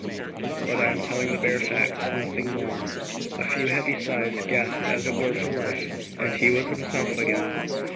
But I am telling the bare facts nothing more. A few heavy sighs, gasped as it were for life, and he was himself again.